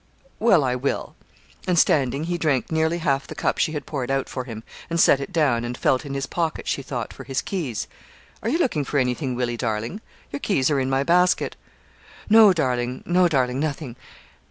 Well, I will.' And, standing, he drank nearly half the cup she had poured out for him, and set it down, and felt in his pocket, she thought, for his keys. 'Are you looking for anything, Willie, darling? Your keys are in my basket.' 'No, darling; no, darling nothing.